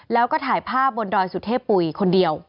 แล้วก็ถ่ายภาพบนดอยสุเทพปุ๋ยคนเดียว